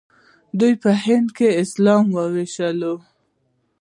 دوی په هند کې اسلام وويشلو.